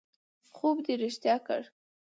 خوب دې رښتیا کړ